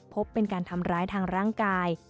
พบเป็นการทำร้ายทางร่างกาย